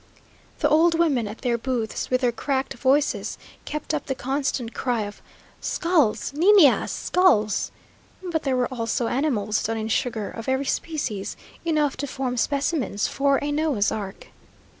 The old women at their booths, with their cracked voices, kept up the constant cry of "Skulls, niñas, skulls!" but there were also animals done in sugar, of every species, enough to form specimens for a Noah's ark.